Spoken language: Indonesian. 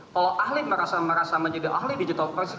kalau ahli merasa menjadi ahli digital forensik